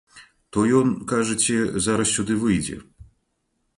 То ён, кажаце, зараз сюды выйдзе.